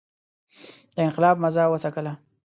د انقلاب مزه وڅکله.